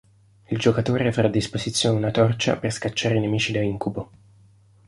Il giocatore avrà a disposizione una torcia per scacciare i nemici da incubo.